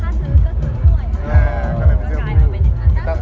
ตอนแรกพี่ต้นเขาอย่าง